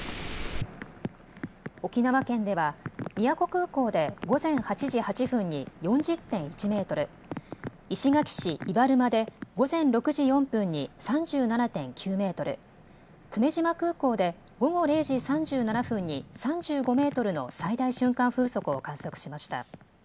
沖縄県では宮古空港で午前８時８分に４０．１メートル、石垣市伊原間で午前６時４分に３７．９メートル、久米島空港で午後０時３７分に３５メートルの最大瞬間風速を観測しました。